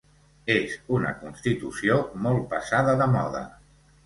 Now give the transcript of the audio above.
És una constitució molt passada de moda.